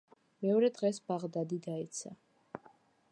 მეორე დღეს ბაღდადი დაეცა.